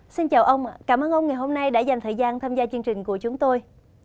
xin chào ông cảm ơn ông ngày hôm nay đã dành thời gian tham gia chương trình của chúng tôi